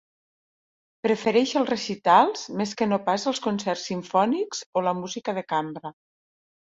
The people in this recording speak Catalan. Prefereix els recitals més que no pas els concerts simfònics o la música de cambra.